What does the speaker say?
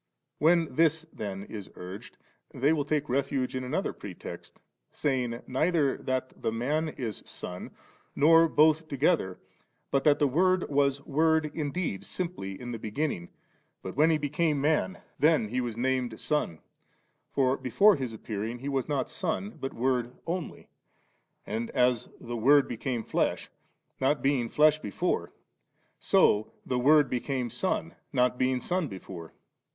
When this then is urged, they will take refuge in another pretext, saying, neither that the Man is Son, nor both together, but that the Word was Word indeed simply in the b^;inning, but when He became Man, then He was named 7' Son ; for before His appearing He was not Son but Word only ; and as the * Word be came flesh,' not being flesh before, so ihe Word became Son, not being Son before.